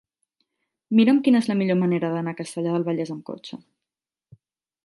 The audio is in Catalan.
Mira'm quina és la millor manera d'anar a Castellar del Vallès amb cotxe.